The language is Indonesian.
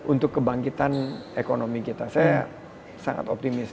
untuk kebangkitan ekonomi kita saya sangat optimis